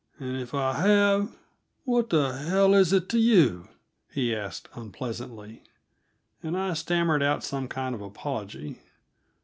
"And if I have what the hell is it to you?" he asked unpleasantly, and I stammered out some kind of apology.